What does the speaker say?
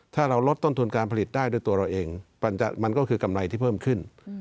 ถ้าเราลดต้นทุนการผลิตได้ด้วยตัวเราเองมันก็คือกำไรที่เพิ่มขึ้น